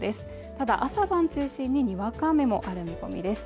ただ朝晩中心ににわか雨もある見込みです